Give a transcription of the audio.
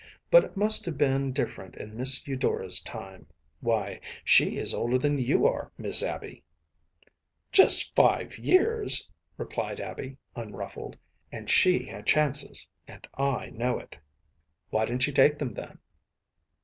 But it must have been different in Miss Eudora’s time. Why, she is older than you are, Miss Abby.‚ÄĚ “Just five years,‚ÄĚ replied Abby, unruffled, “and she had chances, and I know it.‚ÄĚ “Why didn’t she take them, then?